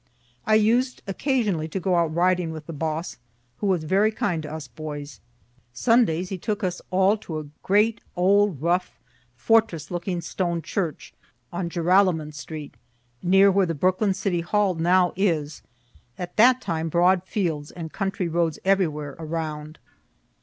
I used occasionally to go out riding with the boss, who was very kind to us boys; Sundays he took us all to a great old rough, fortress looking stone church, on Joralemon street, near where the Brooklyn city hall now is (at that time broad fields and country roads everywhere around.